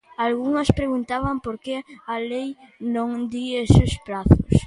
Algunhas preguntaban porque a lei non di eses prazos.